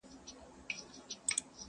دا له زمان سره جنګیږي ونه.!